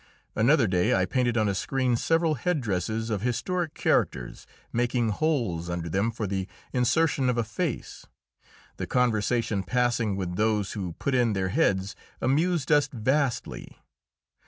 Another day I painted on a screen several head dresses of historic characters, making holes under them for the insertion of a face. The conversation passing with those who put in their heads amused us vastly.